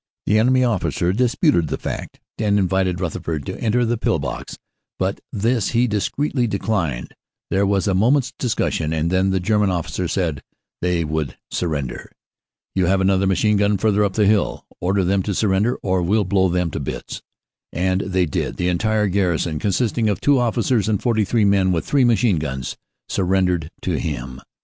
The enemy 128 CANADA S HUNDRED DAYS officer disputed the fact and invited Rutherford to enter the pill box, but this he discreetly declined. There was a moment s discussion and then the German officer said they would surrender. "You have another machine gun further up the hill; order them to surrender or we ll blow them to bits." And they did ; the entire garrison, consisting of two officers and 43 men with three machine guns, surrendered to him.